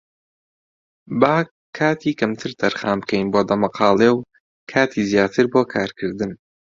با کاتی کەمتر تەرخان بکەین بۆ دەمەقاڵێ و کاتی زیاتر بۆ کارکردن.